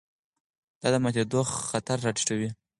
دا د ماتېدو خطر راټیټوي.